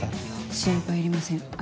心配いりませんあ